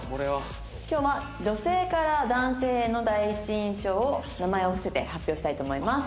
「今日は女性から男性への第一印象を名前を伏せて発表したいと思います」